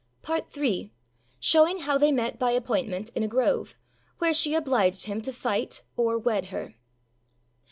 â PART III. SHOWING HOW THEY MET BY APPOINTMENT IN A GROVE, WHERE SHE OBLIGED HIM TO FIGHT OR WED HER.